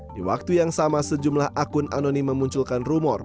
di waktu yang sama sejumlah akun anoni memunculkan rumor